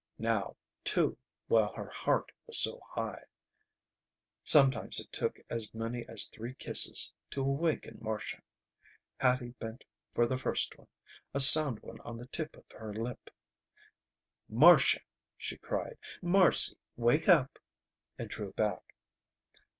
Now, too, while her heart was so high. Sometimes it took as many as three kisses to awaken Marcia. Hattie bent for the first one, a sound one on the tip of her lip. "Marcia!" she cried. "Marcy, wake up!" and drew back.